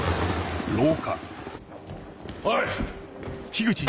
おい！